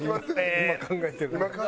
今考えてるな。